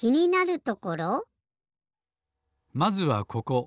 まずはここ。